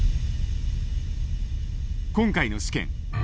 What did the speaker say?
今回の試験。